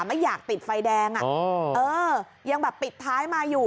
ไม่อยากติดไฟแดงอ่ะเออยังแบบปิดท้ายมาอยู่